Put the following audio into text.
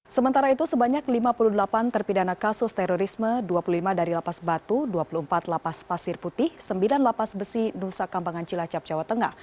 sementara itu sebanyak lima puluh delapan terpidana kasus terorisme dua puluh lima dari lapas batu dua puluh empat lapas pasir putih sembilan lapas besi nusa kambangan cilacap jawa tengah